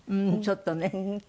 うんちょっとね。